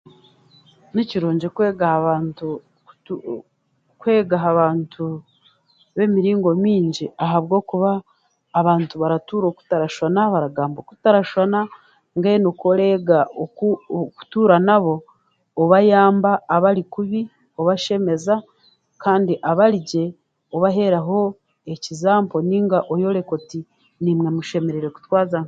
Ni kirungi kweega ahabantu b'emiringo mingi ahabw'okuba abantu baratuura okutarashwana, baragamba okutarashwana mbwenu kw'oreega okutura nabo obayamba abarikubi obashemeza kandi abarigye obaheraho ekizampo nainga oyoreka oti naimwe mushemereire kutwaza muti.